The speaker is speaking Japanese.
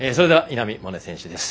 稲見萌寧選手です。